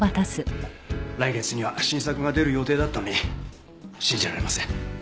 来月には新作が出る予定だったのに信じられません。